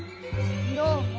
どうも。